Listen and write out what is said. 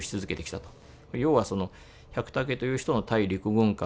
要はその百武という人の対陸軍感